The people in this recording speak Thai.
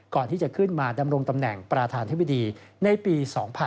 ก่อนที่จะขึ้นมาดำรงตำแหน่งประธานธิบดีในปี๒๕๖๒